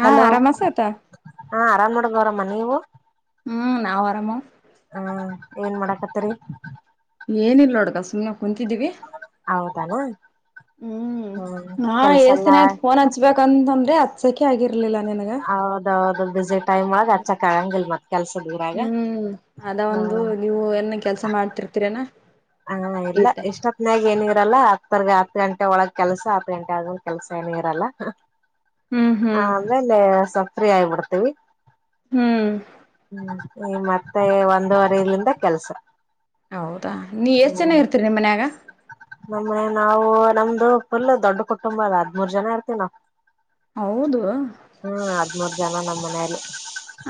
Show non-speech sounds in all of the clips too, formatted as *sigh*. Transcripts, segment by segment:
ಹಾ ಹಲೋ ಆರಾಮಸತ ಹಾ ಆರಾಮ್ ನೋಡ ಗೌರಮ್ಮ ನೀವು ಹ್ಮ್ ನಾವ ಆರಾಮೋ ಹ್ಮ ಏನ್ ಮಾಡಕತ್ತರಿ ಏನಿಲ್ಲ ನೋಡ್ ದಸ ಸುಮ್ನೆ ಕುಂತಿದ್ದೀವಿ ಹೌದಾನ ಹ್ಮ್ ಹಾ ಕೆಲ್ಸ ಏಸ್ ದಿನ್ ಎಲ್ಲಾ ಆಯ್ತ್ ಫೋನ್ ಹಚ್ಬೇಕಂತಂದ್ರೆ ಆ ಸೆಖೆ ಆಗಿರ್ಲಿಲ್ಲ ನಿನಗ ಹೌದೌದು ಬಿಜತ್ ಟೈಮ್ ಒಗ ಹಚ್ಚಕ್ ಆಗಂಗಲ್ ಮತ್ ಕೆಲ್ಸದರಾಗ ಹ್ಮ್ ಹಾ ಕೆಲಸಾ ಮಾಡ್ತಿರ್ತೀರೇನ್ ಹ ಇಲ್ಲಾ ಇಷ್ಟ ಹೋತ್ ನಾಗ ಏನಿರಲ್ಲ ಹತ್ತರ್ಗ ಆ ಹ ಗಂಟೆ ಒಳಗ್ ಕೆಲ್ಸ ಹತ್ತು ಗಂಟೆ ಆಗಂದ ಕೆಲಸ ಏನ ಇರಲ್ಲ ಹ್ಮ್ ಹ್ಮ್ ಆ ಆಮೇಲೆ ಸ್ಫ್ರೀ ಆಗ್ಬಿಡ್ತೀವಿ ಹ್ಮ್ ಹ್ಮ್ ಮತ್ತೆ ಒಂದೂುವರೆ ಇಲ್ಲಿಂದ ಕೆಲ್ಸ ಹೌದಾ ನೀ ಎಷ್ಟ್ ಹ್ಮ್ ಚೆನ್ನಾಗಿರ್ತೀರಿ ನಿಮ್ಮ ಮನ್ಯಾಗ ನಮ್ಮನೆ ನಾವು ನಮ್ದು ಫುಲ್ ದೊಡ್ಡ ಕುಟುಂಬ ಅಲ್ಲ ಹದ್್ಮೂರ್ ಜನ ಇರ್ತೀವಿ ನಾವವು ಹೌದು ಹದ್ಮೂರ್ ಜನ ನಮ್ಮ್ ಮನಲಿ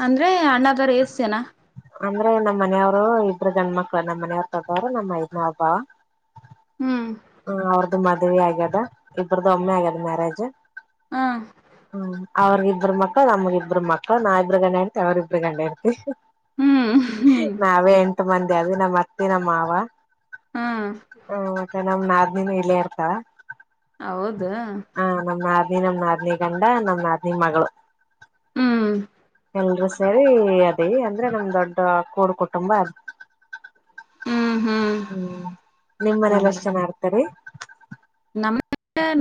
ಅಂದ್ರೆ ಅಣ್ಣದರ ಎಏಷ್ಟ ಜನ ಅಂದ್ರೆ ನಮ್ಮ್ ಮನೆಯವರು ಇಬ್ರು ಗಂಡ ಮಕ್ಳು ನಮ್ಮ್ ಮನೆಯವ್ರ ತಬ್ಬವ್ರು ನಮ್ಮ ದ್ನ ಹಬ್ಬ ಹ ಹ್ಮ್ ಹ ಅವ್ರ್ದ ಮದವಿ ಆಗ್ಯದ ಇಬ್ರ್ದು ಒಮ್ಮೆ ಆಗ್ಯದ ಮ್ಯಾರೇಜ್ ಹ ಹ್ಮ ಅವ್ರಗ ಇಬ್ಬ್ರ ಮಕ್ಕಳ ನಮಗ ಇಬ್ರು ಮಕ್ಕಳ ನಾ ಇಬ್ಬರು ಗಂಡ ಅಂತೆ ಅವ್ರರಿಬ್್ರ ಗಂಡ ಅತಿ ಹ್ಮ್ ಹ್ಮ್ ಎಷ್ಟ ಮಂದಿ ಅದು ನಮ್ಮ್ ಅತ್ತೆ ನಮ್ಮ ಮಾವ ಹಾ ಹ್ಮ ನಮ್ ಆದನನು ಇಲ್ಲೇ ಇರ್ತಾವ ಹೌದಾ ನಾದ್ನಿ ನಮ್ ನಾರನಿ ಗಂಡ ನಮ್ ನಾರನಿ ಮಗಳು ಹ್ಮ್ ಎಲ್ರು ಸೇರಿ ಅದೇ ಅಂದ್ರೆೊಂದ್ ದೊಡ್ಡ ಕೂಡು ಕುಟುಂಬ ಅದ ಹ್ಮ್ ನಿಮ ಹ್ಮ ಮನಲ್ಲಷ್ಟ ಚೆನ ಆರ್ತಾರೆ ನಮ್ಮ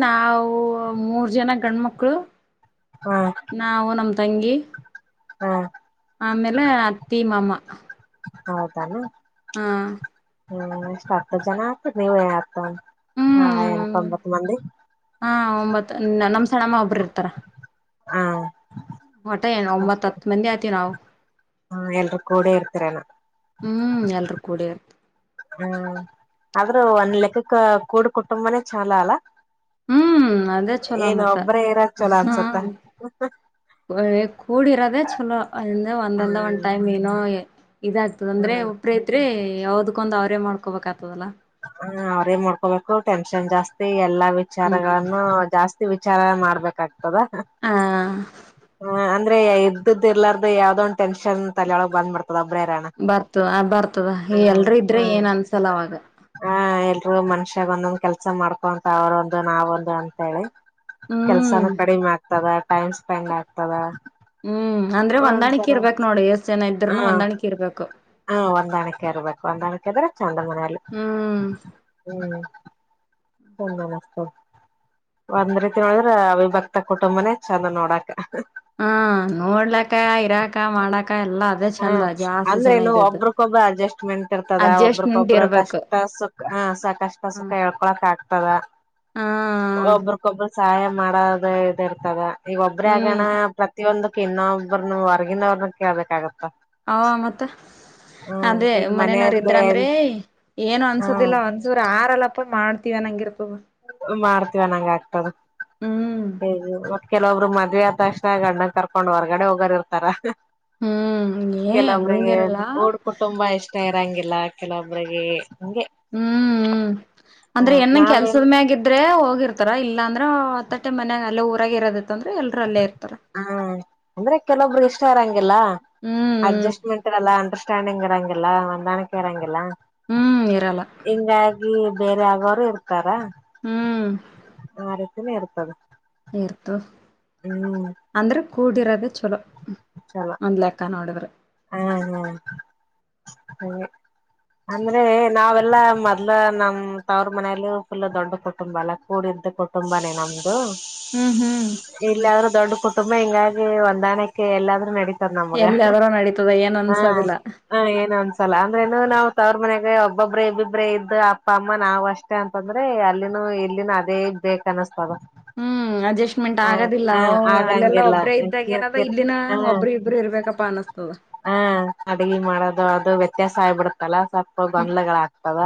ನಾವು ಮೂರ್ ಜನ ಗಂಡ್ಮಕ್ಕಳು ಹಾ ನಾವು ನಮ ತಂಗಿ ಹ್ಮ ಆಮೇಲೆ ಅತ್ತಿ ಮಾಮ ಹೌದಾನ ಹಾ ಹ್ಮ್ ಎಷ್ಟ್ ಹತ್ತು ಜನ ಆಗ್ತತಿ ನೀವತ್ ಹ ಹ್ಮ್ ಎಂತ್ೊಂಬತ್ ಮಂದಿ ಹಾ ಒಂಬತ್ ನಮ್ ಸಣ್ಣಮ್ಮ ಒಬ್ರ ಇರ್ತಾರ ಹ ಹೊಟಏನು ಒಂಬತ್ತು ಹತ್ತು ಮಂದಿ ಆತ ನಾವು ಹ್ಮ ಎಲ್ರೂ ಕೂಡೆ ಇರ್ತರನ ಹ್ಮ್ ಎಲ್ರೂ ಕೂಡಿ ಇರ್ತ ಹ್ಮ ಆದ್ರೂ ಒಂದ್ ಲೆಕ್ಕಕ್ಕ ಕೂಡ್ ಕುಟುಂಬನೇ ಚಾಲ ಅಲ್ಲ ಹ್ಮ್ ಅೇ ಚಲ ಏನ್ ಮತ್ತೆ ಒಬ್ಬ್ರೇ ಇರಕ್ ಚಲೋ ಹ ಅನ್ಸುತ್ತ ಕಡಿರದೇ ಚಲ ಅಂದ ಒಂದಲ್ಲದ ಒಂದ ಹ್ಮ್ ಟೈಮ ಏನುೋ ಇದಾಗ್ತದ ಅಂದ್ರೆ ಹ್ಮ್ ಒಬ್ರ ೈತ್ರಿ ಯಾವದಕ್ಕೊಂದ್ ಅವ್ರೇ ಮಾಡ್ಕೊಬೇಕಕ್ ಆತದಲ್ಲಾ ಹ ಅವ್ರೇನ್ ಮಾಡ್ಕೋಬೇಕು ಟೆನ್ಷನ್ ಜಾಸ್ತಿ ಎಲ್ಲಾ ಹ್ಮ್ ವಿಚಾರಗಳನ್ನು ಜಾಸ್ತಿ ವಿಚಾರ ಮಾಡ್ಬೇಕಾಗ್ತದ ಹ ಹ ಅಂದ್ರೆ ಇದ್ದ್ದ ಇರ್ಾರ್ದು ಯಾವ್ದ ಒಂದ ಟೆನ್ ತಲಿಯೊಳ ಬಂದ್ಬಡ್ತಾರೆ ರ ಬರ್ತದ ಅ ಬರ್ತದ ಹ ಎಲ್ರೂ ಇದ್ರೆ ಏನ್ ಅನ್ಸಲ್ಲ ಅವಾಗ ಹ ಹ ಮನ್ಷ್ಯಾಗ ಒಂದೊಂದ್ ಕೆಲ್ಸ ಮಾಡ್ಕೊಂತ ಅವ್ರ ಒಂದು ನಾವ ಒಂದು ಅಂತ ಹೇಳಿ ಹ್ಮ್ ಕೆಲ್ಸನ ಕಡಿಮೆ ಆಗ್ತದ ಟೈಮ್ ಸ್ಪೆಂಡ್ ಆಗ್ತದ ಹ್ಮ್ ಅಂದ್ರೆ ಹೊಂದಾಣಿಕಿ ಒಂತರ ಇರ್ಬೇಕಕ್ ನೋಡಿ ಎಷ್ಟ್ ಜನ ಇದ್ರನು ಹೊಂದಾಣಿಕಿ ಇರ್ಬೇಕು ಹಾ ಒಂದಣಕೆ ಇರ್ಬೇಕು ಒಂದಣಕೆ ಆದ್ರೆ ಚಂದ ಮನೆಯಲ್ಲಿ ಹ್ಮ್ ಹ್ಮ್ ಒಂದ ಮಸ್ತ ಒಂದ್ ರೀತಿ ನೋಡಿದ್ರ ಅವಿಭಕ್ತ ಕುಟುಂಬನೇ ಚಂದ ನೋಡಕ ಹಾ ನೋಡ್ಲಕ್ಕ ಇರಾಕ ಮಾಡಕ್ ಹಾ ಅಂದ್ರೆನು ಒಬ್ರಕೊಬ್ಬ ಅಡ್ಜಸ್ಟ್ಮೆಂಟ್ ಇರ್ತದ ಅಡ್ಜಸ್ಟ್ಮೆಂಟ್ ಒಬ್ಬ್ರಕೊಬ್ಬ್ರ ಇರ್ಬೇಕು ಕಷ್ಟ ಸುಖ ಹ ಸಾಕಷ್ಟು ಹ ಸುಖ ಹೇಳ್ಕೊಳಕ್ ಆಗ್ತದ ಹ ಒಬ್ರಕೊಬ್ಬ್ರ ಸಹಾಯ ಮಾಡೋದು ಇದ ಇರ್ತದ ಈಗ ಒಬ್ಬ್ರ ಹ್ಮ್ ಆಗಣ ಪ್ರತಿಯೊಂದು ಇನ್ನೊಬ್ಬ್ರ ನು ಹೊರ್ಗಿನವ್ರನ ಕೇಳ್ಬೇಕಾಗುತ್ತೆ. ಅವ ಮತ್ತೆ ಹ್ಮ್ ಅದೇ ಈಗ ಮನೇನವ್ರ ಮನೆಯಲ್ಲಿ ಇದ್ರ ಅಂದ್ರೆ ಏನು ಹ್ಮ ಅನ್ಸದಿಲ್ಲ ಒಂದ್ಸುದ್ರ ಅರಲ್ಲಪ್ಪ ಮಾಡ್ತೀವಿ ಅನಂಗಿರ್ - ಮಾಡ್ತೀವಿ ಅನಂಗ್ ಆಗ್ತದ ಹ್ಮ್ ಹ ಕೆಲೊಬ್ರು ಮ ಮದ್ವೆ ಅದ್ ತಕ್ಷ್ಣ ಗಂಡನ್ ಕರ್ಕೊಂಡ್ ಹೊರ್ಗಡೆ ಹೋಗೋರ್ ಇರ್ತಾರ. ಹ್ಮ್ ಏ ಕೆಲವೊಬ್ರಿಗೆ ಹಂಗಿರಲ್ಲ ಕೂಡ್ ಕುಟುಂಬ ಇಷ್ಟ ಇರಂಗಿ ಎಲ್ಲ ಕೆಲವೊಬ್ಬ್ರರಿಗೆ ಹ್ಮ್ ಅಂದ್ರೆ ಹ ಎನನ ನಾವೇನ್ ಕೆಲ್ಸದ್ಮ್ಯ ಆಗಿ ಇದ್ರೆ ಹೋಗಿರ್ತಾರ ಇಲ್ಲಾಂದ್ರ ಹತ್ತಟ್ಟೆ ಮನ್ಯಾಗ ಅಲ್ಲೇ ಊರಾಗ ಇರೋದು ಹಾ ಅಂದ್ರೆ ಕೆಲವೊಬ್ರು ಇಷ್ಟ ಇರಂಗಿಲ್ಲ ಹ್ಮ್ ಹ್ಮ್ ಅಡ್ಜಸ್ಟ್ ಮೆಂಟಲ್ಲ ಅಂಡರ್ಸ್ಟ್ಯಾಂಡಿಂಗ್ ಇರಂಗಿಲ್ಲ ಹೊಂದಾಣ್ಕೆ ಇರಂಗಿಲ್ಲ ಹ್ಮ್ ಇರಲ್ಲ ಹಿಂಗಾಗಿ ಬೇರೆ ಅಗೋರು ಇರ್ತಾರ. ಹ್ಮ್ ಆರಿತಿನಿ ಇರ್ತವೆ *unintelligible* ಹ್ಮ್ ಅಂದ್ರೆ ಕೂಡಿರೋದೇ ಚಲೋ ಒಂದ್ ಲೆಕ್ಕ ನೋಡಿದ್ರೆ ಹ್ಮ್ ಹ್ಮ್ ಹ್ಮ ಅಂದ್ರೆ ನಾವೆಲ್ಲಾ ಮೊದ್ಲ ನಮ್ ತವ್ರ ಮನೇಲಿ ಫುಲ್ ದೊಡ್ಡು ಕೊಟ್ಟುಂಬಲ್ಲ ಕೂಡಿ ಅಂತ ಕುಟುಂಬನೇ ನಮ್ದು. ಹ್ಮ್ ಹ್ಮ್ ಇಲ್ಲಾದ್ರೂ ದೊಡ್ಡು ಕುಟುಂಬ ಹಿಂಗಾಗಿ ಹೊಂದಾಣಕ್ಕೆ ಎಲ್ಲಾದ್ರೂ ನಡೀತ ನಮ್ಗ ಎಲ್ಲಿಯಾದ್ರೂ ನಡೀತದ ಏನ್ ಹ ಅನ್ಸೋದಿಲ್ಲ ಹ ಏನು ಒಂದ್ಸಲ ಅಂದ್ರೆನು ನಾವ್ ತವ್ರ ಮನೆಗ ಒಬ್ಬೊಬ್ರೆ ಇಬ್ಬಿಬ್ರೇ ಇದ್ದ ಅಪ್ಪ ಅಮ್ಮ ನಾವ್ ಅಷ್ಟೇ ಅಂತಂದ್ರೆ ಅಲ್ಲಿನ ಇಲ್ಲಿನ ಅದೇ ಬೇಕ ಅನ್ನಸ್ - - *inaudible* ಹ್ಮ ಅಡ್ಜಸ್ಟ್ಮೆಂಟ್ ಆಗೋದಿಲ್ಲ ಹ ಅಲ್ಲೆಲ್ಲ ಆಗಂಗಿಲ್ಲ ಒಬ್ಬ್ರೇ ಇದ್ದಾಗ ನಾದ ಕಿರ್ಕಿರಿ ಇಲ್ಲಿನ ಹ ಒಬ್ಬ್ರ ಇಬ್ರು ಇರ್ಬೇಕಪ್ಪ ಅನ್ನಸ್ತ ತದ ಹ ಅಡ್ಗಿ ಮಾಡೋದು ಅದು ವ್ಯತ್ಯಾಸ ಆಗ್ಬಿಡ್ತದಲ್ಲ. ಸ್ವಲ್ಪ ಹ್ಮ್ ಗೊಂದ್ಲಗಳ್ ಅಗ್ತವ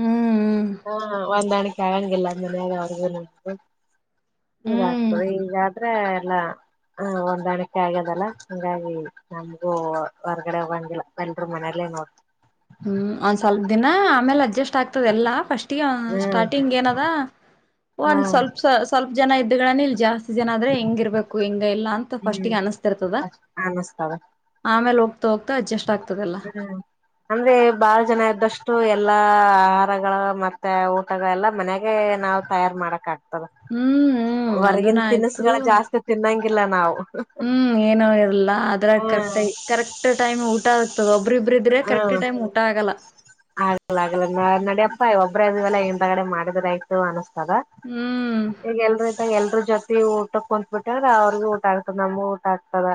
ಹ್ಮ್ ಒಂದಾಣ್ಕ್ - *unintelligible* ಮನಾಗ ಅವ್ರಗುನು ಇಂಗ್ ಹ್ಮ್ ಇಂಗ್ತದ ಆದ್ರೆ ಎಲ್ಲ ಹೊಂದಾಣಿಕೆ ಆಗ್ಯದಲ್ಲ ಹಂಗಾಗಿ ನ ಓ ಹೊರ್ಗಡೆ ಹೋಗಂಗಿಲ್ಲ ಎಲ್ರು ಮನೆಯಲ್ಲೇ ನೋಡ್ ಹ್ಮ್ ಒಂದ್ ಸ್ವಲ್ಪ ದಿನ ಆಮೇಲೆ ಅಡ್ಜಸ್ಟ್ ಆಗ್ತದೆಲ್ಲ ಫಸ್ಟ್ ಹ್ಮ್ ಸ್ಟಾರ್ಟಿಂಗ್ ಏನದ ಬಂದ್ ಹ್ಮ್ ಸ್ವಲ್ ಸ್ವಲ್ಪ ಜನ ಇದ್ದಗಳನ್ ಇಲ್ ಜಾಸ್ತಿ ಜನ ಆದ್ರೆ ಹೆಂಗ ಇರ್ಬೇಕು ಹೆಂಗ ಇಲ್ಲ ಅಂತ ಹ್ಮ್ ಫಸ್ಟ್ಗೆ ಅನಸ್ತಿರ್ತದ. ಅನಸ್ತದ ಆಮೇಲ್ ಹೋಗ್ತಾ ಹೋಗ್ತಾ ಅಡ್ಜಸ್ಟ್ ಆಗ್ತದೆಲ್ಲಾ. ಬಹಳ ಜನ ಇದ್ದಷ್ಟು ಎಲ್ಲಾ ಆಹಾರಗಳು ಮತ್ತೆ ಊಟ ಎಲ್ಲ ಮನೆಗ ನಾವ್ ತಯಾರ್ ಮಾಡಕ್ ಆಕ್ತ ತದ ಹ್ಮ್ ಹ್ಮ್ ಅದನ ಹೊರಗಿನ್ ಆಯ್ತು ತಿನಿಸುಗಳ್ ಜಾಸ್ತಿ ತಿನ್ನೊಂಗಿಲ್ಲ ನಾವು. ಹ್ಮ್ ಏನ ಇರಲ್ಲಾ ಅದ್ರಗ್ ಹ್ಮ್ ಕರೆಕ್ಟ ಕರೆಕ್ಟ್ ಟೈಮ್ ಊಟ ಆಗ್ತದ ಒಬ್ರ ಇಬ್ಬರು ಇದ್ರೆ ಕರೆಕ್ಟ್ ಟೈಮ್ ಊಟ ಆಗಲ್ಲ. ಆಗ್ಲ ಆಗ್ಲ ನಡ್ಯಪ್ಪ ಒಬ್ರೆ ಇದಿವಲ್ಲ ಹಿಂದಗಡೆ ಮಾಡಿದ್ರ ಆಯ್ತು ಅದ ಹ್ಮ್ ಈಗ ಎಲ್ *unintelligible* ಎಲ್ರು ಜೊತಿ ಊಟ ಕುತ್ಬಿಟ್ಟ ಅ್ರ ಅವ್ರಗೂ ಊಟ ಆಗ್ತದ ನಮಗ ಊಟ ಆಗ್ತದ.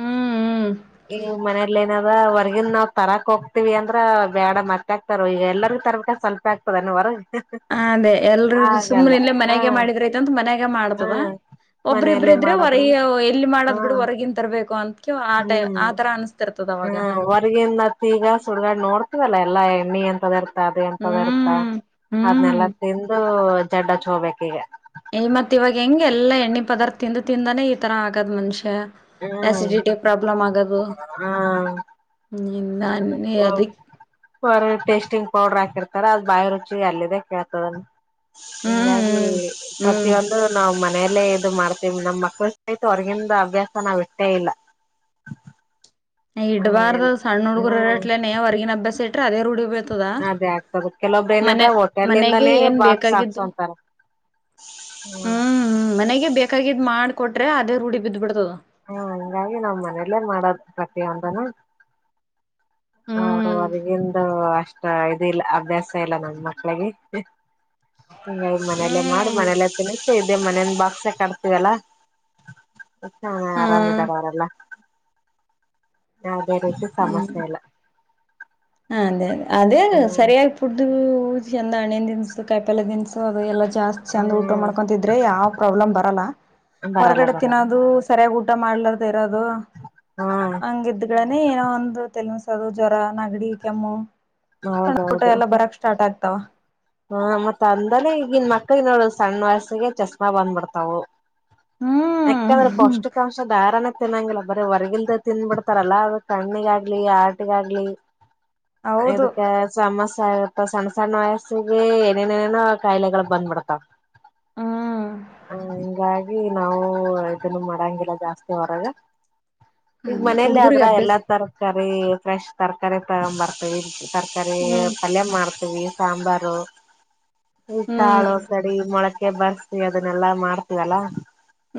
ಹ್ಮ್ ಹ್ಮ್ ಇನ್ನು ಮನೇಲ್ ಏನರ ಹೊರ್ಗಿನ್ ನಾವ್ ತರಾಕ್ ಹೋಗ್ತಿವ್ ಅಂದ್ರ ಬೇಡ ಮತ್ತೆ ಆಕ್ತಾರ ಈಗ ಎಲ್ಲರೂ ತರ್ಬೇಕ ಸ್ವಲ್ಪ ಆಗ್ತದೇನ್ ಹೊರಗೆ. ಹ ಅದೇ ಎಲ್ರು ಸುಮ್ಮ್ನೆ ಇಲ್ಲೇ ಹ ಮನ್ಯಾಗ ಮಾಡಿದ್ರ ಐತಂತ ಮನ್ಯಾಗ ಹ ಮಾಡ್ತದ. ಒಬ್ ಇಬ್ರ ಮನೆಯಲ್ಲೇ ಇದ್ರೆ ಮಾಡದ್ರು ಹೊರಗೆ ಎಲ್ಲಿ ಹ ಮಾಡೋದ್ ಬಿಡ್ ಹೊರಗಿನ್ ತರ್ಬೇಕು ಅಂತ್ ಆ ತರ ಅನ್ಸ್ತಿರ್ತದೆ. ಹ್ಮ ಹೊರ್ಗಿಂದತ್ ಈಗ ಸುಡ್ಗ ನೋಡ್ ಇವಲ್ಲ ಎಲ್ಲಾ ಎಣ್ಣೆ ಎಂತ ಇರ್ತ ಅದ ಎಂತ ಇರ್ತ ಹ್ಮ್ ಹ್ಮ್ ಅದನ್ನಲ್ಲಾ ತಿಂದು ದಡ್ಡಚ್ ಹೋಗಬೇಕ ಈಗ ಯ ಮತ್ ಇವಾಗ ಹೆಂಗಗೆ ಎಲ್ಲಾ ಎಣ್ಣೆ ಪದಾರ್ಥ ತಿಂದು ತಿಂದಾನೆ ಈ ತರ ಆಗದ್ ಮನುಷ್ಯ ಹ್ಮ್ ಆಸಿಡಿಟಿ ಪ್ರಾಬ್ಲಮ್ ಆಗದು ಹ್ಮ ನನ್ನೆ ಅದಿ ಬ ಟೇಸ್ಟಿಂಗ್ ಪೌಡರ್ ಹಾಕಿರ್ತಾರ ಅದ್ ಬಾಯಿ ರುಚಿ ಅಲ್ಲಿದೆೇ ಕೇಳ್ತದನ್ ಹಿಂಗಾಗಿ ಹ್ಮ್ ಹ್ಮ್ ಪ್ರತಿಯೊಂದು ನಾವು ಮ ಮೇಲೆ ಇದು ಮಾಡ್ತೀವಿ ನಮ್ ಮಕ್ಳ ಸಹಿತು ಹೊರಗಿನ್ದೂ ಅಭ್ಯಾಸ ನಾವ್ ಇಟ್ಟೇ ಇಲ್ಲ ಹ *inaudible* ಇಡ್ಬಾರ್ದು ಸಣ್ಣ ಹುಡುಗುರ ಇಟ್ಲೇ ಹೊರ್ಗಿನ ಅಭ್ಯಾಸ ಇಟ್ರೆ ಅದೇ ರೂಡಿ ಅದೇ ಆಗ್ತದ ಕೆಲವೊಬ್ಬ್ರ ಮನೆ ಏನದ ಮನೆಗೆ ಹೋಟೆಲ್ಂದಾನೇ ಏನ್ ಬಾಕ್ಸ್ ಬೇಕಾಗಿದ್ದು ಹಾಕ್ಸೊಂತಾರ ಹ್ಮ್ ಮನೆಗೆ ಬೇಕಾಗಿದ್ದ್ ಮಾಡ್ಕೊಟ್ರೆ ಅದೇ ರೂಢಿ ಬಿದ್ದ ಬಿಡ್ತದ ದಾನ ಅವರು ಹ್ಮ್ ಹೊರಗೊಂದು ಅಷ್ಟ ಇಲ್ಲ ಅಭ್ಯಾಸ ಇಲ್ಲ ನಮ ಮಕ್ಕಳಿಗೆ ಹ್ ಹಾ ಮನೇಲ್ಲೇ ಮಾಡಿ ಮನೇಲ್ಲ ತನ್ಸ ಇದೇ ಮನೇನ್ ಬಾಕ್ಸೆ ಕಟ್ತವಲ್ಲ ಆರಾಮಿದಾರ ಅವರೆಲ್ಲ ಯಾವುದೇ ರೀತಿ ಸಮಸ್ಯೆ ಇಲ್ಲ ಹ ಅದ ಅ ಅದೇ ಹ್ಮ್ ಸರಿಯಾಗಿ ಪುಡ್ದು ಪೂಜ ಚಂದ ಹಣ್ಣನ್ ದಿನ್ಸು ಕಾಯಪೆಲ ದಿನ್ಸು ಅದು ಎಲ್ಲ ಜಾಸ್ತಿ ಚಂದ ಊಟ ಮಾಡ್ಕೊತಿದ್ರೆ ಯಾವ್ ಪ್ರಾಬ್ಲಮ್ ಬರಲ್ಲ ಹ್ಮ್ ಬರಲ್ಲ ಹೊರಗಡೆ ಬರಲ್ಲ ತಿನ್ನೋದು ಸರಿಯ ಊಟ ಮಾಡ್ಲಾರದ ಇರೋದು ಹಾ ಹಂಗಿದ್ನೇ ಏನೋ ಒಂದು ದು ಜ್ವರ ನಗಡಿ ಕೆಮ್ಮು ಸಣ್ಣ ಊಟ ಹೌದೌದು ಎಲ್ಲ ಬರಕ್ ಸ್ಟಾರ್ಟ್ ಆಗ್ತಾವ ಹ ಮತ್ ಅಂದಾನೆ ಈಗನ್ ಮಕ್ಳ ನೋಡ ಸಣ್ಣ ವಯಸ್ಸಿಗೆ ಚಶಮಾ ಬಂದ್ಬಿಡ್ತಾವ ಹ್ಮ್ ಯಕಂದ್ರೆ ಪೌಷ್ಟಿಕಾಂಶ ಧಾರಣ ತಿನ್ನಂಗಿಲ್ಲ ಬರಿ ಹೊರಗಿನ್ದೆ ತಿನ್ಬಿಡ್ತಾರಲ್ಲ ಅ ಕಣ್ಣಿಗಾಗ್ಲಿ ಹಾರ್ಟ್ ಆಗ್ಲಿ ಹೌದು ಎದಕ್ಕೆ ಸಮಸ್ಯೆ ಆಗ್ತವೆ ಸಣ್ಣ ಸಣ್ಣ ವಯ ಗೆ ಏನೇನೇನೇನ ಕಾಯಿಲೆಗಳು ಬಂದ್ಬಿಡ್ತಾವ ಹ್ಮ್ ಹ ಹಂಗಾಗಿ ನಾವು ಇದನ್ನು ಮಾಡಾಂಗಿಲ್ಲ ಜಾಸ್ತಿ ಹೊರಗೆ ಈಗ ಮನೇಲಿ ಆದ್ರ ಹುಡುಗರಿಗೆ ಅಭ್ಯಾಸ ಎಲ್ಲಾ ತರಕಾರಿ ಫ್ರೆಶ್ ತರಕಾರಿ ತಗ್ ಬರ್ತವಿ ಇ ತರಕಾರಿ ಹ್ಮ್ ಪಲ್ಯ ಮಾಡ್ತೀವಿ ಸಾಂಬಾರು ಈ ಹ್ಮ್ ಕಾಳು ಸಡಿ ಮೊಳಕೆ ಬರ್ಸಿ ಅದನ್ನೆಲ್ಲಾ ಮಾಡ್ತೀವಲ್ಲಾ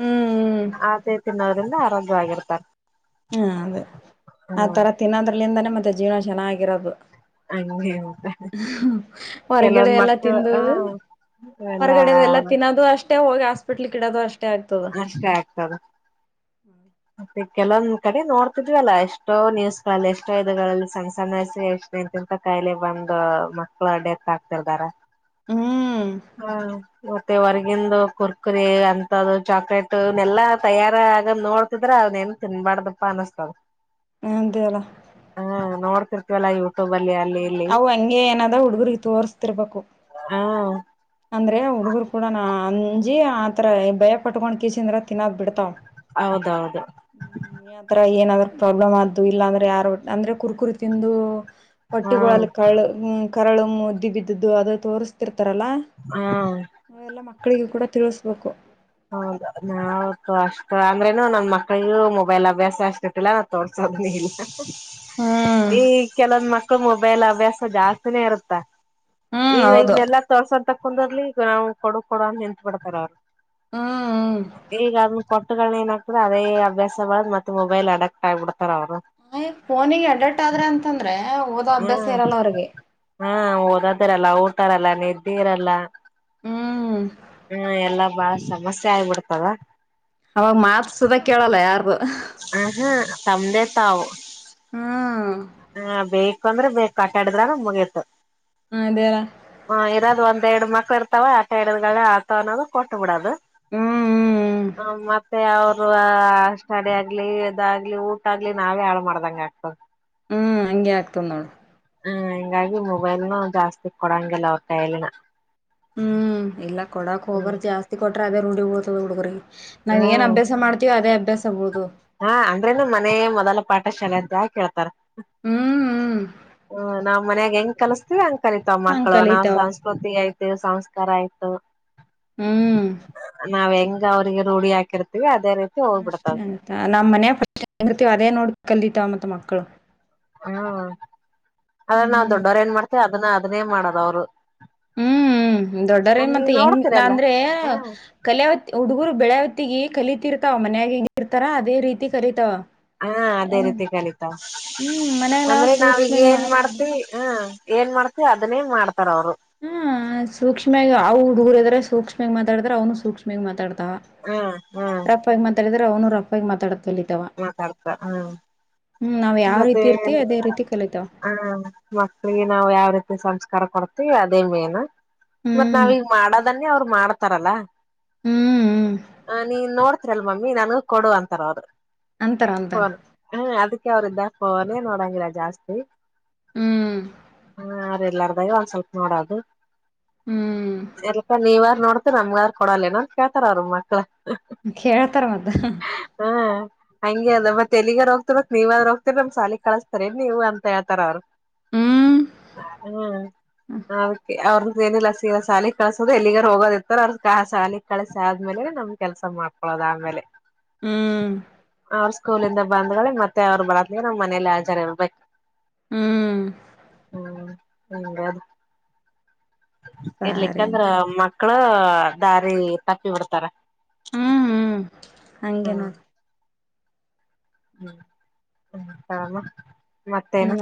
ಹ್ಮ್ ಹ್ಮ್ ಅದೇ ತಿನ್ನೋದ್ರಿಂದ ಆರೋಗ್ಯವಾಗಿರ್ತಾರೆ ಹಾ ಅದೇ ಆ ತರ ತಿನ್ನೋದ್ರಲಿಂದಾನೇ ಮತ್ತೆ ಜೀವನ ಚೆನ್ನಾಗಿರೋದು ಅ *inaudible* ಹೊರಗಡೆ ಎಲ್ಲಾ ತಿಂದು ಎಲ್ಲಾ ಹೊರಗಡೆಲ್ಲ ತಿನ್ನೋದು ಅಷ್ಟೇ ಹೋಗಿ ಹಸ್ಪಿಟ್ಲ್ ಇಡದು ಅಷ್ಟ ಅಷ್ಟೇ ಆತದೆ ಹತ್ತ *inaudible* ಕೆಲವೊಂದ್ ಕಡೆ ನೋಡ್ತಿದ್ವಿ ಅಲ್ಲ ಎಷ್ಟೋ ನ್ಯೂಸ್ಗಳಲ್ಲಿ ಎಷ್ಟೋ ಗಳಲ್ಲಿ ಸಣ್ಣ ಸಣ್ಣ ವಯಸ್ಸಿಗೇ ಎಷ್ಟಂತಂತ ಕಲೆ ಬಂದ್ ಮಕ್ಳ ಡೆತ್ ಆಗ್ತಿರ್ದಾರ ಹ್ಮ್ ಹಾ ಮತ್ತೆ ಹೊರ್ಗಿಂದು ಕುರ್ಕುರಿ ಅಂತ ಚಾಕ್ಲೇಟ ಯೇಲ್ಲಾ ತಯಾರ ಆಗದ್ ನೋಡ್ತಿದ್ರ ತಿನ್ಬಾರ್ದಪ್ಪ ಅನ್ನಸ್ತದ ಅದೇ ಅಲ್ಲ ಹ ನೋಡ್ತಿರ್ತವಲ್ಲ ಇವ ಹ್ಮ್ ಅವು ಹಂಗೆ ಏನಾದ ಹುಡ್ಗರ್ ತೋರ್ಸ್ತಿರ್ಬೇಕು ಹ್ಮ ಅಂದ್ರೆ ಹುಡುಗರು ಕೂಡ ಅಂಜಿ ಆತರ ಭಯ ಪಟ್ಕೊಂಡ್ *unintelligible* ತಿನ್ನೋದು ಬಿಡ್ತಾವ ಹೌದೌದು ಆತರ ಏನಾದ್ರು ಪ್ರಾಬ್ಲಮ್ ಆದ್ದು ಇಲ್ಲಾಂದ್ರೆ ಯಾರು ಅಂದ್ರೆ ಕುರ್ಕುರು ತಿಂದು ಹಾ ಹೊಟ್ಟೆಗಳಲ್ಲಿ ಕಳ್ಳು ಕರಳೊಮ್ಮದ್ದು ಬಿದ್ದು ಅದು ತೋರಿಸತಿರ್ತಾರಲ್ಲಾ ಹಾ ಮಕ್ಕಳಿಗು ಕೂಡ ತಿಳಸ್ಬೇಕು ಹೌದು ನಾವ ಅಷ್ಟ ಅಂದ್ರೇನು ನನ್ ಮಕ್ಳಿಗೂ ಮೊಬೈಲ್ ಅಭ್ಯಾಸ ಅಷ್ಟಿಟ್ಟಿಲ್ಲ ನಾ ತೋರ್ಸ *unintelligible* ಹ್ಮ್ ಈಗ ಕೆಲವೊಂದ್ ಮಕ್ಳು ಮೊಬೈಲ್ ಹವ್ಯಾಸ ಜಾಸ್ತಿನೇ ಇರುತ್ತ ಹ್ಮ್ ಈಗ ಹೌದು ಇವನ್ನಲ್ಲಾ ತೋರ್ಸಂತ ಕುಂದರ್ಲಿ ಈಗ ಅವು ಕೊಡ ಕೊಡ ನಿಂತ್ ಬಿಡ್ತಾರ ಅವರು ಹ್ಮ್ ಹ್ಮ ಕೋಟ್ಟಗಳೆ ಏನಾತದ ಅಭ್ಯಾಸ ಬೆಳದ ಮತ್ತ ಮೊಬೈಲ್ ಅಡಕ್ಟ್ ಆಗ್ಬಿಡ ನ ಫೋನಿಗ ಅಡಕ್ಟ್ ಆದ್ರೆ ಅಂತಂದ್ರೆ ಓ ಹ್ಮ್ ಹಾ ಓದೋದಿರಲ್ಲ ಊಟಾರಿಲ್ಲ ನಿದ್ದಿ ಇರಲ್ಲ ಹ್ಮ್ ಹ್ಮ ಎಲ್ಲಾ ಬಾಳ ಸಮಸ್ಯೆ ಆಗ್ಬಿಡ್ತದ ಅವಾಗ ಮಾತ್ ಸುದ ಕೇಳಲ್ಲ ಯಾರ್ದು ಆ ಹಾ ತಮ್ಮದೇ ತಾವು ಹ್ಮ ಹ ಬೇಕಂದ್ರ ಬೇಕ ಹಟಾಡಿದ್ರಂದ ಮುಗಿತು ಹ ಅದೇರ ಹ ಇರದ ಒಂದ ಎರಡ್ ಮಕ್ಳು ಇರ್ತಾವ ಹಟ್ ಇಡದಗಳೆ ಅಳತಾವ ಅನ್ನೋದು ಕೊಟ್ಟ ಬಿಡದು ಹ್ಮ್ ಹ್ಮ್ ಹ್ಮ್ ಹ ಮತ್ತೆ ಅವರು ಸಷ್ಟಡಿ ಆಗ್ಲಿ ಇದಾಗ್ಲಿ ಊಟ ಆಗ್ಲಿ ನಾವೇ ಹಾಳ ಮಾಡ್ದಂಗ ಆಗ್ತದ ಹ್ಮ್ ಹಂಗೆ ಆಗ್ತದ ನೋಡು ಹ್ಮ್ ಹಿಂಗಾಗಿ ಮೊಬೈಲ್ನು ಜಾಸ್ತಿ ಕೊಡಂಗಿಲ್ಲ ಅವರ ಕೈಯಲ್ಲಿ ಹ್ಮ್ ಇಲ್ಲ ಕೊಡಕ್ ಹೋಗಬರದ ಜಾಸ್ತಿ ಕೊಟ್ರ ಅದೇ ರೊಡಿ ಬಿಳ್ತದ ಹುಡಗುರಿಗ ನಾವ್ ಏನ್ ಹ್ಮ್ ಅಭ್ಯಾಸ ಮಾಡ್ತೀವ ಅದೇ ಅಭ್ಯಾಸ ಬುಳತ್ತದ ಹಾ ಅಂದ್ರೇನು ಮನೆಯೇ ಮೊದಲ ಪಾಠಶಾಲೆ ಅಂತ ಯಾಕ ಹೇಳ್ತಾರ ಹ್ಮ್ ಹ್ಮ್ ಹ ನಾವ್ ಮನ್ಯಾಗ ಹೆಂಗ ಕಲ್ಸ್ತೀವಿ ಅಂಗ ಕಲ್ಲಿತಾವ ಹಂಗ್ ಮಕ್ಕಳು ನಾವ್ ಕಲಿತಾವ ಸಂಸ್ಕೃತಿ ಆಯ್ತು ಸಂಸ್ಕಾರ ಆಯ್ತು ಹ್ಮ್ ನಾವ್ ಹೆಂಗ ಅವ್ರಿಗೆ ರೂಢಿ ಹಾಕಿರ್ತೀವಿ ಅದೇ ರೀತಿ ಹೋಗ್ಬಿಡ್ತದ ನಾವ ಮನ್ಯಾಗ ಫಸ್ಟ್ ಹೆಂಗಿರ್ತವಿ ಅದೇ ನೋಡ್ ಕಲಿತವ ಮತ್ತ ಮಕ್ಕಳು ಹ್ಮ ಆದ ನಾವು ಹ್ಮ್ ದೊಡ್ಡವ್ರ ಏನ್ ಮಾಡ್ತೇವಿ ಅದನ್ನ ಅದನೇ ಮಾಡೋದ ಅವ್ರು ಹ್ಮ್ ದೊಡ್ಡರಿ ನೀವ್ ಮತ್ತೆ ಹೆಂಗ್ ನೋಡ್ತಿರಲ್ಲ ಅಂದ್ರೆ ಹ ಕಲೆವತಿ ಹುಡುಗರು ಬೆಳೆ ಹೊತ್ತಿಗೆ ಕಲತಿರ್ತಾವ ಮನಯಾಗ ಇರ್ತಾರ ಅದೇ ರೀತಿ ಕಲಿತಾವ ಹಾ ಅದೇ ರೀತಿ ಕಲಿತಾವ ಹ್ಮ್ ಮನ್ಯಾಗ ನಾವ್ ಅಂದ್ರೆ ನಾವೀಗ ಸೂಕ್ಷ್ಮಗ್ ಏನ್ ಮಾತಾಡ ಮಾಡ್ತಿವಿ ಹ ಏನ್ ಮಾಡ್ತಿವಿ ಅದನ್ನೇ ಮಾಡ್ತಾರ ಅವ್ರು ಹಾ ಸೂಕ್ಷ್ಮಾಗಿ ಅವ್ ಹುಡುಗರ ಎದ್ರ ಸೂಕ್ಷ್ಮಾಗಿ ಮಾತಾಡಿದ್ರ ಅವ್ನು ಸೂಕ್ಷ್ಮಾಗಿ ಮಾತಾಡತ ಹ್ಮ್ ಹ್ಮ್ ರಪ್ಪಾಗಿ ಮಾತಾಡಿದ್ರೆ ಅವನು ರಪ್ಪಾಗಿ ಮಾತಾಡತ ಮಾತಾಡ್ತವ ಹ್ಮ ಹ್ಮ್ ನಾವ್ ಯಾವ ಮತ್ತೆ ರೀತಿ ಇರ್ತಿವಿ ಅದೇ ರೀತಿ ಕಲಿತಾವ ಹ ಮಕ್ಳಿಗಿ ನಾವ ಯಾವ ರೀತಿ ಸಂಸ್ಕಾರ ಕೊಡ್ತವಿ ಮ ಅದೇ ಮೇನ್ ಮತ್ ಹ್ಮ್ ನಾವೀಗ ಮಾಡದನ್ನೇ ಅವ್ರು ಮಾಡ್ತಾರಲ್ಲ ಹ್ಮ್ ಹ್ಮ್ ಆ ನೀನ್ ನೋಡ್ತಿರಲ್ ಮಮ್ಮಿ ನನಗೂ ಕೊಡು ಅಂತಾರ ಅವರು ಅಂತಾರ ಅಂತಾರ ಫೋನ್ ಹ್ಮ್ ಅದಕ್ಕೆ ಅವ್ರ ಇದ್ದಾಗ ಫೋನೇ ನೋಡಂಗಿಲ್ಲ ಜಾಸ್ತಿ ಹ್ಮ್ ಹಾ ಅವರ ಎಲ್ಲಾರ್ದಾಗೆ ಒಂದ್ ಸ್ವಲ್ಪ ನೋಡದು ಹ್ಮ್ ಎದಕ್ಕ ನೀವಾರ ನೋಡ್ತಿರ ನಮ್ಗಾರ ಕೊಡಲ್ಲ ಏನಂತ ಕೇಳತಾರ ಅವ್ರ ಮಕ್ಳ ಕೇಳ್ತಾರ ಮತ್ತ ಹ ಹಂಗೆ ಅದ ಮತ್ತೆ ಎಲ್ಲಿಗರ್ ಹೋಗ್ತಿರ್ ಬೇಕ ಮತ್ ನೀವ ಅದ್ರ ಹೋಗ್ತಿರಿ ನಮಗ ಸಾಲಿಗ ಕಳಿಸ್ತಾರೆನ್ ನೀವ ಅಂತ ಹೇಳತಾರ ಅವರು ಹ್ಮ್ ಹ್ಮೆ ಅದಕ್ಕೆ ಅವ್ರನ ಏನಿಲ್ಲ ಸೀದ ಶಾಲಿಗೆ ಕಳಸೋದ ಎಲ್ಲಿಗಾರ ಹೋಗದರ್ತ್ತ ಅವರಿಗೆ ಶಾಲಿಗ ಕಳಸಿ ಆದ್ಮೇಲೆ ನಮ್ ಕೆಲಸ ಮಾಡ್ಕೊದು ಅದಾದ ಮೇಲೆ ಹ್ಮ್ ಅವ್ರ ಸ್ಕೂಲಂದ ಬಂದ್ಗಳೆ ಮತ್ತೆ ಅವ್ರು ಬರತಲಿಗೆ ನಾವ್ ಮನೇಲಿ ಹಜಾರ ಇರ್ಬೇಕು ಹ್ಮ್ ಹ್ಮ್ ಹ್ಮ ಹಿಂಗಾಗಿ ಸರಿ ಇರ್ಲಿಕ್ಕಂದ್ರ ಅಂತ ಮಕ್ಳ ದಾರಿ ತಪ್ಪಿ ಬಿಡ್ತಾರ ಹಂಗಗೆ ಹ್ಮ್ ನೋಡಿ ಹ್ಮ್ ಆಮ ಮತ್ತೇನು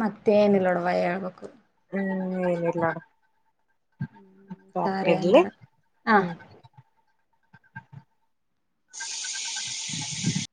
ಮತ್ತೆನಲ್ಲೋಡ ವಯಾಳ್ ಹೇಳ್ಬೇಕು ಹ್ಮ್ನ ಎಲ್ಲ ಪ್ಪ ಸರಿ ಎಡ ಹಂಗಾರ ಹ *unintelligible* ಹ *unintelligible*